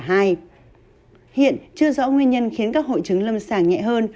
hiện chưa rõ nguyên nhân khiến các hội chứng lâm sàng nhẹ hơn